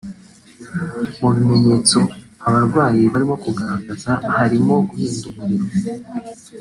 Mu bimenyetso aba barwayi bari kugaragaza harimo guhinda umuriro